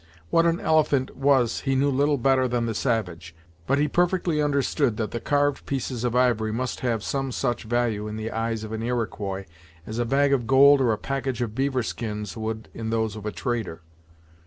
What an elephant was he knew little better than the savage, but he perfectly understood that the carved pieces of ivory must have some such value in the eyes of an Iroquois as a bag of gold or a package of beaver skins would in those of a trader.